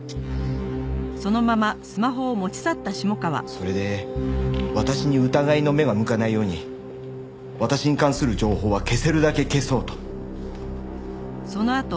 それで私に疑いの目が向かないように私に関する情報は消せるだけ消そうと。